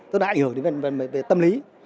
tức là đã hiểu về tâm lý